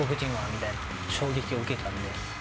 みたいな衝撃を受けたんで。